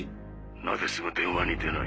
なぜすぐ電話に出ない。